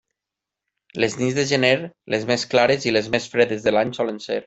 Les nits de gener les més clares i les més fredes de l'any solen ser.